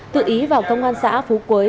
tự ý vào công an xã phú quế